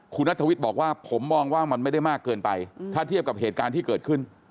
คุณนัทวิทย์บอกว่าผมมองว่ามันไม่ได้มากเกินไปถ้าเทียบกับเหตุการณ์ที่เกิดขึ้น